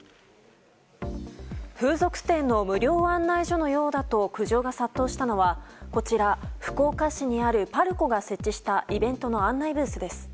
風俗店の無料案内所のようだと苦情が殺到したのはこちら福岡市にあるパルコが設置したイベントの案内ブースです。